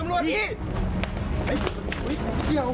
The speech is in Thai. ไม่เป็ดวิจัย